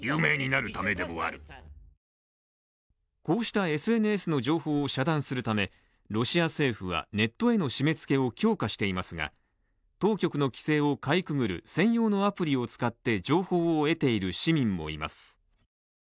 こうしたＳＮＳの情報を遮断するためロシア政府はネットへの締めつけを強化していますが当局の規制をかいくぐる専用のアプリを使って、情報を得ている市民もいます。